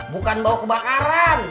bukan bau kebakaran